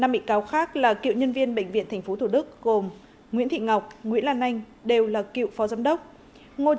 năm bị cáo khác là cựu nhân viên bệnh viện tp thủ đức gồm nguyễn thị ngọc nguyễn lan anh đều là cựu phó giám đốc